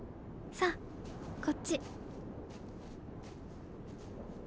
さあこっち。